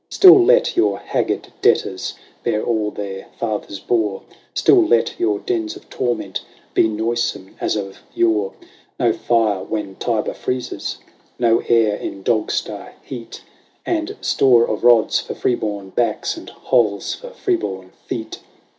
Still let your haggard debtors bear all their fathers bore ; Still let your dens of torment be noisome as of yore ; No fire when Tiber freezes ; no air in dog star heat ; And store of rods for free born backs, and holes for free born feet.